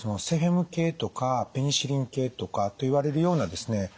セフェム系とかペニシリン系とかといわれるようなですね